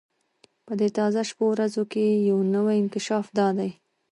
په دې تازه شپو ورځو کې یو نوی انکشاف دا دی.